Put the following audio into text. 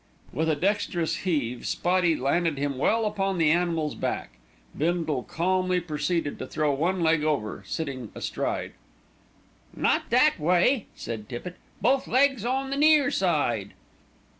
With a dexterous heave, Spotty landed him well upon the animal's back. Bindle calmly proceeded to throw one leg over, sitting astride. "Not that way," said Tippitt, "both legs on the near side."